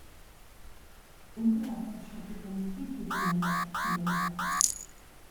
Өндөр албан тушаалын хүнийг хэд хэдэн янзаар элчингээр явуулна.